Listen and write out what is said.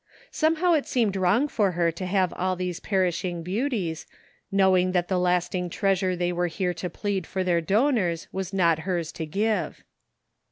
Somehow it seemed wrong for her to have all these perishing beauties, knowing that the lasting treasure they were here to plead for their donors was not hers to give.